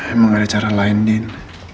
emang ada cara lain din